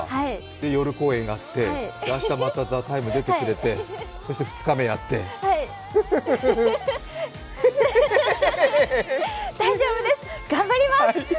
で、夜公演があって、また明日「ＴＨＥＴＩＭＥ，」出てもらってそして２日目やって大丈夫です頑張ります！